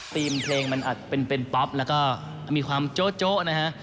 เพลงมันอาจเป็นป๊อปแล้วก็มีความโจ๊ะนะฮะ